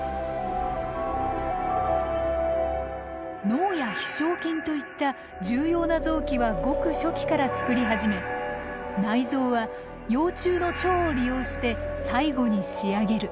脳や飛しょう筋といった重要な臓器はごく初期から作り始め内臓は幼虫の腸を利用して最後に仕上げる。